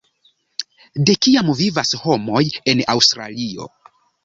De kiam vivas homoj en Aŭstralio?